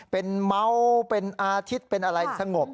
เป็นเมาเป็นอาทิตย์เป็นอะไรสงบ